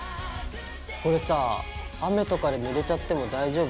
これさぁ雨とかでぬれちゃっても大丈夫なの？